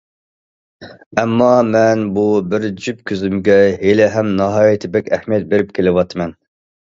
ئەمما مەن بۇ بىر جۈپ كۆزۈمگە ھېلىھەم ناھايىتى بەك ئەھمىيەت بېرىپ كېلىۋاتىمەن.